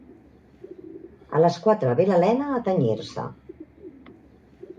A les quatre ve l'Elena a tenyir-se.